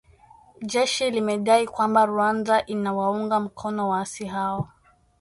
Jeshi limedai kwamba Rwanda inawaunga mkono waasi hao